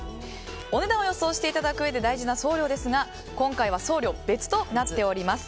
お値段を予想していただくうえで大事な送料ですが今回は送料別となっています。